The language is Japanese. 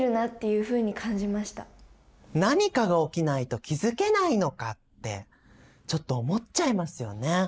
何かが起きないと気付けないのかってちょっと思っちゃいますよね。